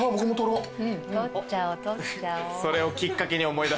撮っちゃおう撮っちゃおう。